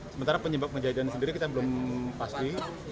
sementara penyebab kejadian sendiri kita belum pasti